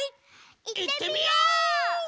いってみよう！